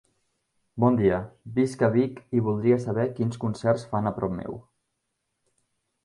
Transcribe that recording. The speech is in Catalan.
Bon dia, visc a Vic i voldria saber quins concerts fan a prop meu.